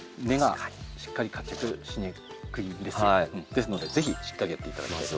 ですのでぜひしっかりやっていただきたいと。